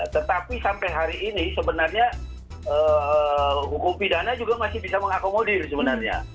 tetapi sampai hari ini sebenarnya hukum pidana juga masih bisa mengakomodir sebenarnya